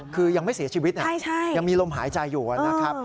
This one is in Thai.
คือยังไม่เสียชีวิตยังมีลมหายใจอยู่นะครับ